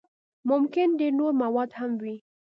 ممکن ډېر نور موارد هم وي.